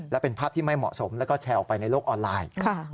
และเป็นภาพที่ไม่เหมาะสมแล้วก็แชร์ออกไปในโลกออนไลน์